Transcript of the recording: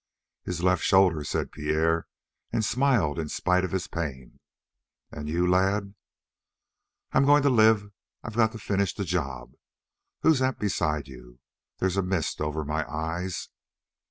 "His left shoulder," said Pierre, and smiled in spite of his pain. "And you, lad?" "I'm going to live; I've got to finish the job. Who's that beside you? There's a mist over my eyes."